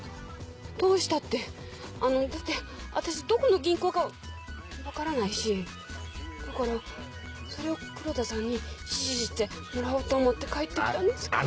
どうしたってだって私どこの銀行かわからないしだからそれを黒田さんに指示してもらおうと思って帰ってきたんですけど。